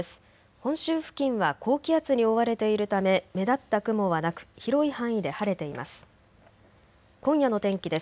本州付近は高気圧に覆われているため目立った雲はなく広い範囲で晴れています。